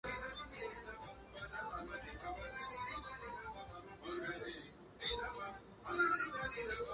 At Fresno State, he enjoyed a prolific career under the coaching of Jerry Tarkanian.